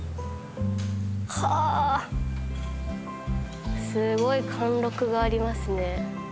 はあすごい貫禄がありますね。